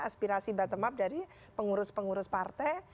aspirasi bottom up dari pengurus pengurus partai